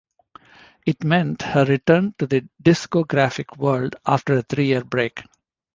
It meant her return to the discographic world, after a three-year break.